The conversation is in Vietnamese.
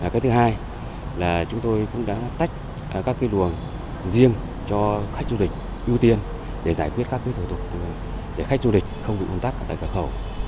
cái thứ hai là chúng tôi cũng đã tách các cái luồng riêng cho khách du lịch ưu tiên để giải quyết các cái thủ tục để khách du lịch không bị bùng tắt ở tại cửa khẩu